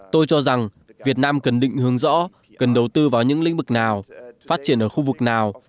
tôi cho rằng việt nam cần định hướng rõ cần đầu tư vào những lĩnh vực nào phát triển ở khu vực nào